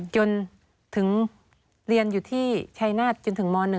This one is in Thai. จนถึงเรียนอยู่ที่ชายนาฏจนถึงม๑